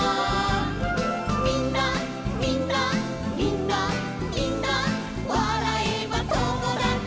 「みんなみんなみんなみんなわらえばともだち」